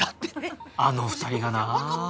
あの２人がなあ